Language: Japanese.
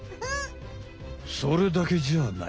それだけじゃない。